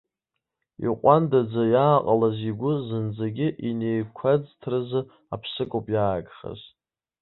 Иҟәандаӡа иааҟалаз игәы зынӡагьы инеикәаӡҭразы аԥсык ауп иаагхаз.